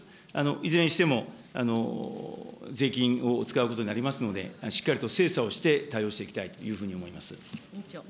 いずれにしても、税金を使うことになりますので、しっかりと精査をして対応していきたいというふうに思います。